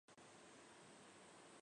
它是世界上最长寿的急诊。